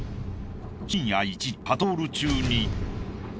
深夜１時パトロール中に。